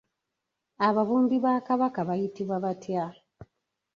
Ababumbi ba Kabaka bayitibwa batya?